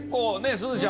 すずちゃんも。